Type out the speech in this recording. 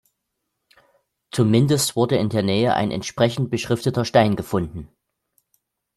Zumindest wurde in der Nähe ein entsprechend beschrifteter Stein gefunden.